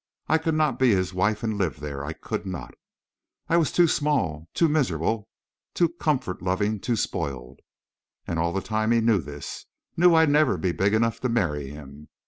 I could not be his wife and live there. I could not. I was too small, too miserable, too comfort loving—too spoiled. And all the time he knew this—knew I'd never be big enough to marry him....